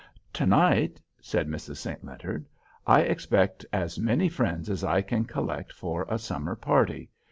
"Tonight"—said Mrs. St. Leonard—"I expect as many friends as I can collect for a summer party.